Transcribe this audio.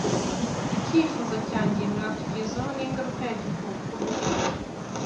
Icyifuzo cyanjye mwatugezaho n`ingaruka ya gikukuru